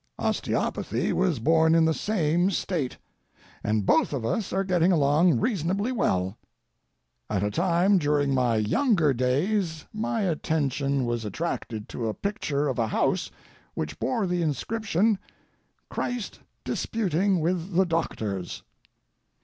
Osteopathy was born in the same State, and both of us are getting along reasonably well. At a time during my younger days my attention was attracted to a picture of a house which bore the inscription, "Christ Disputing with the Doctors."